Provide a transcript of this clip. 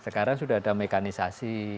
sekarang sudah ada mekanisasi